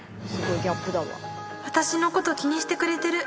私のこと気にしてくれてる。